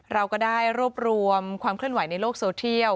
เราก็ได้รวบรวมความเคลื่อนไหวในโลกโซเทียล